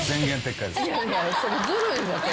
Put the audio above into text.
いやいやそれずるいわ。